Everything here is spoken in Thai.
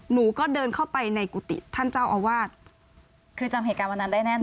หนูก็เดินเข้าไปในกุฏิท่านเจ้าอาวาสคือจำเหตุการณ์วันนั้นได้แน่นอ